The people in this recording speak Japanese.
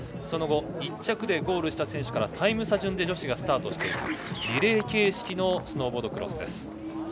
その後１着でゴールした選手からタイム差順で女子がスタートしていくリレー形式のスノーボードクロス。